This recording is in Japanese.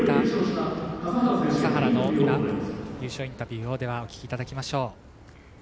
笠原の優勝インタビューをお聞きいただきましょう。